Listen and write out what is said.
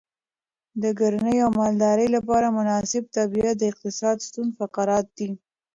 د کرنې او مالدارۍ لپاره مناسب طبیعت د اقتصاد ستون فقرات دی.